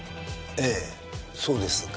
ええそうですが。